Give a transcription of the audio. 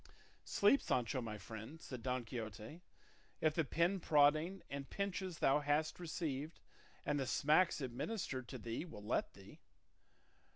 "Sleep, Sancho my friend," said Don Quixote, "if the pinprodding and pinches thou hast received and the smacks administered to thee will let thee."